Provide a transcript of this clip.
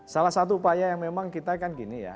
salah satu upaya yang memang kita kan gini ya